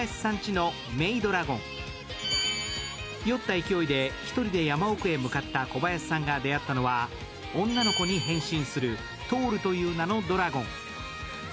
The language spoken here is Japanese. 酔った勢いで１人で山奥へ向かった小林さんが出会ったのは、女の子に変身するトールという名のドラゴン。